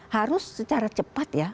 harus secara cepat ya